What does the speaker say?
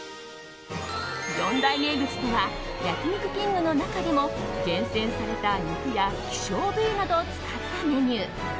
４大名物とは焼肉きんぐの中でも厳選された肉や希少部位などを使ったメニュー。